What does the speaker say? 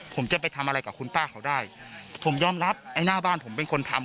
ผมจะไปทำอะไรกับคุณป้าเขาได้ผมยอมรับไอ้หน้าบ้านผมเป็นคนทำ